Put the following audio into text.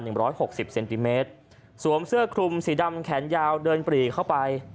ร้อยหกสิบเซนติเมตรสวมเสื้อคลุมสีดำแขนยาวเดินปรีเข้าไป